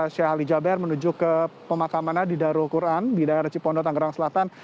sheikh ali jaber menuju ke pemakamannya di darul quran di daerah cipondo tangerang selatan